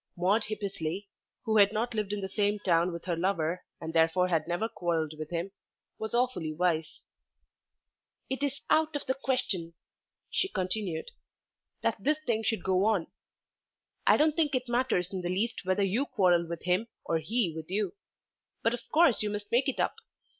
Maude Hippesley, who had not lived in the same town with her lover and therefore had never quarrelled with him, was awfully wise. "It is quite out of the question," she continued, "that this thing should go on. I don't think it matters in the least whether you quarrel with him or he with you. But of course you must make it up.